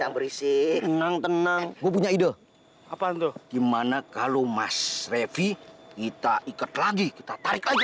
berisik tenang tenang punya ide apaan tuh gimana kalau mas revi kita ikat lagi kita tarik aja